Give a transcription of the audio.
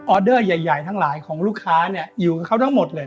เดอร์ใหญ่ทั้งหลายของลูกค้าเนี่ยอยู่กับเขาทั้งหมดเลย